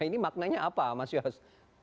ini maknanya apa mas yos